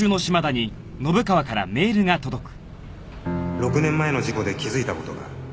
「６年前の事故で気付いたことがある」